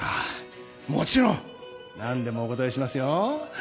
もちろん何でもお答えしますよ。